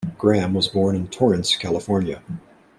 Graham was born in Torrance, California.